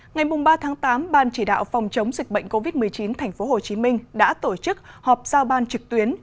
ngày ba tám ban chỉ đạo phòng chống dịch bệnh covid một mươi chín tp hcm đã tổ chức họp giao ban trực tuyến